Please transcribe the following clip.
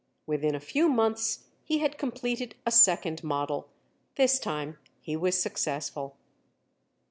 Within a few months he had completed a second model. This time he was successful.